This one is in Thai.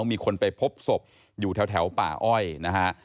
มีคนไปพบศพอยู่แถวป่าอ้อยนะฮะ